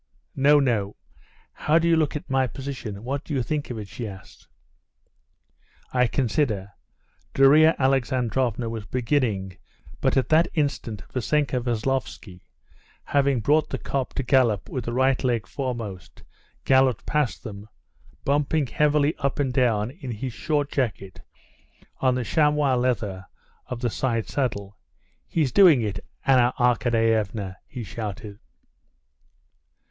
"No, no! How do you look at my position, what do you think of it?" she asked. "I consider...." Darya Alexandrovna was beginning, but at that instant Vassenka Veslovsky, having brought the cob to gallop with the right leg foremost, galloped past them, bumping heavily up and down in his short jacket on the chamois leather of the side saddle. "He's doing it, Anna Arkadyevna!" he shouted.